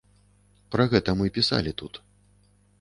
Пра гэта мы пісалі тут.